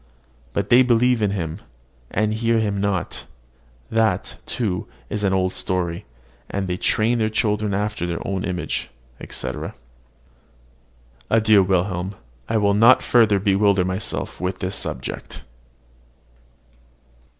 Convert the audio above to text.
But they believe in him, and hear him not, that, too, is an old story; and they train their children after their own image, etc. Adieu, Wilhelm: I will not further bewilder myself with this subject.